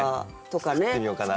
作ってみようかなって。